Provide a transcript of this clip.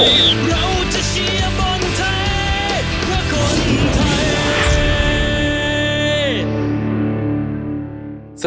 เราจะเชียร์บอลแท้เพื่อคนไทย